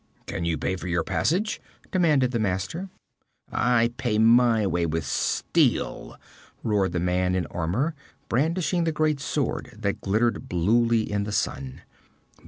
'Can you pay for your passage?' demanded the master. 'I pay my way with steel!' roared the man in armor, brandishing the great sword that glittered bluely in the sun.